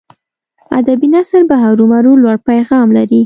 ادبي نثر به هرو مرو لوړ پیغام لري.